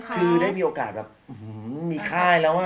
คือได้มีโอกาสแบบมีค่ายแล้ว